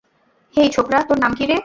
হেই ছোকরা, তোর নাম কীরে?